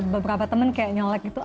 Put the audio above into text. beberapa temen kayak nyolek gitu